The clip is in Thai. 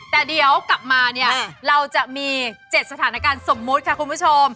แต่เดี๋ยวกลับมาเนี่ยเราจะมี๗สถานการณ์สมมุติค่ะคุณผู้ชม